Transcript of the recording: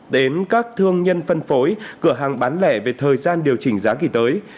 đến các thương nhân phân phối cửa hàng bán lẻ về thời gian điều chỉnh giá kỷ tới